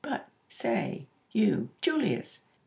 But, say, you, Julius!